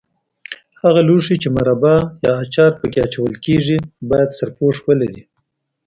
هغه لوښي چې مربا یا اچار په کې اچول کېږي باید سرپوښ ولري.